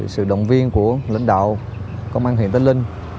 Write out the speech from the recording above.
sự động viên của lãnh đạo công an huyện tân linh